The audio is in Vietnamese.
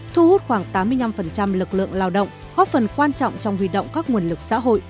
lực lượng lao động góp phần quan trọng trong huy động các nguồn lực xã hội